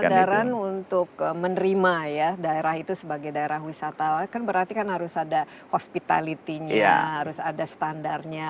kesadaran untuk menerima ya daerah itu sebagai daerah wisatawan kan berarti kan harus ada hospitality nya harus ada standarnya